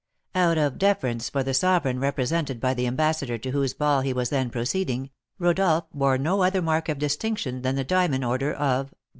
Out of deference for the sovereign represented by the ambassador to whose ball he was then proceeding, Rodolph wore no other mark of distinction than the diamond order of